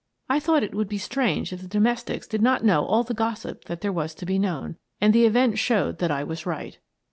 I thought it would be strange if the domestics did not know all the gossip that there was to be known, and the event showed that I was right.